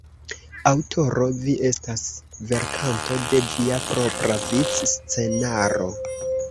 Aŭtoro: Vi estas verkanto de via propra viv-scenaro.